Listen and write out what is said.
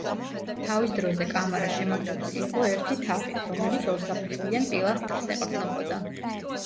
თავის დროზე კამარა შემაგრებული იყო ერთი თაღით, რომელიც ორსაფეხურიან პილასტრს ეყრდნობოდა.